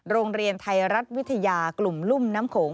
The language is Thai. โรงเรียนไทยรัฐวิทยากลุ่มรุ่มน้ำโขง